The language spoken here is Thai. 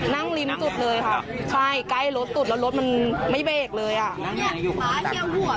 นั่งริมจุดเลยครับใช่ใกล้รถจุดแล้วรถมันไม่เบกเลยอ่ะ